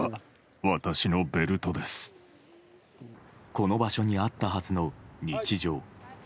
この場所にあったはずの日常。